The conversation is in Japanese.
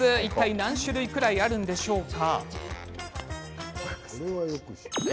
何種類くらいあるんでしょうか？